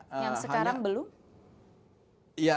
yang sekarang belum